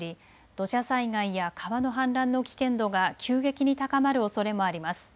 土砂災害や川の氾濫の危険度が急激に高まるおそれもあります。